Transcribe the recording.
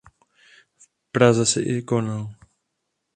V Praze i skonal.